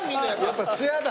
やっぱツヤだ。